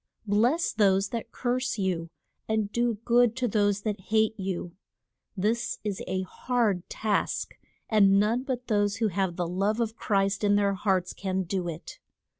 Bless those that curse you, and do good to those that hate you. This is a hard task, and none but those who have the love of Christ in their hearts can do it.